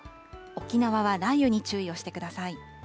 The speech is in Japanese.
沖縄は雷雨に注意をしてください。